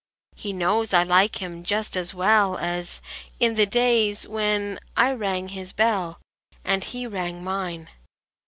He knows I like him just as well As in the days when I rang his bell And he rang mine.